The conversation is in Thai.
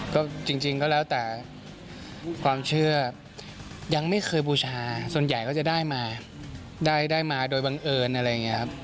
ก็จริงก็แล้วแต่ความเชื่อยังไม่เคยบูชาส่วนใหญ่ก็จะได้มาได้มาโดยบังเอิญอะไรอย่างนี้ครับ